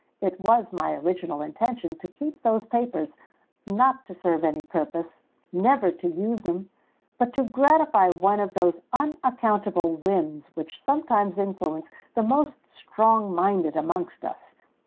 It was my original intention to keep those papers—not to serve any purpose—never to use them,—but to gratify one of those unaccountable whims which sometimes influence the most strong minded amongst us.